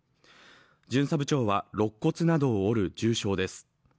巡査部長は肋骨などを折る重傷です。